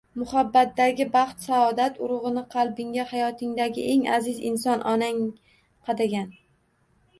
Muhabbatdagi baxt-saodat urug`ini qalbingga hayotingdagi eng aziz inson onang qadagan